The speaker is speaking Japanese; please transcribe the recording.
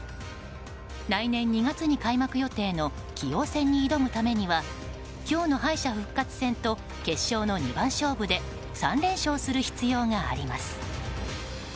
来年２月に開幕予定の棋王戦に挑むためには今日の敗者復活戦と決勝の２番勝負で３連勝する必要があります。